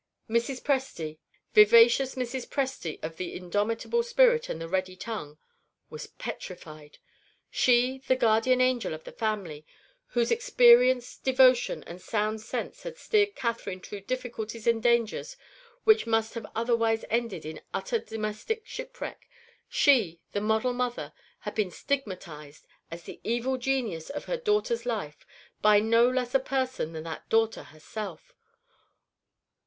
Mrs. Presty vivacious Mrs. Presty of the indomitable spirit and the ready tongue was petrified. She, the guardian angel of the family, whose experience, devotion, and sound sense had steered Catherine through difficulties and dangers which must have otherwise ended in utter domestic shipwreck she, the model mother had been stigmatized as the evil genius of her daughter's life by no less a person than that daughter herself!